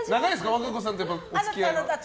和歌子さんとお付き合いは。